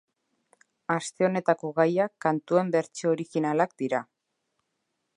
Aste honetako gaia kantuen bertsio originalak dira.